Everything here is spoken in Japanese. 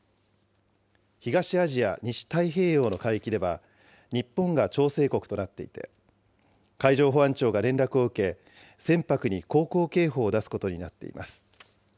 東アジア・西太平洋の海域では、日本が調整国となっていて、海上保安庁が連絡を受け、船舶に航行警報を出すことになっています。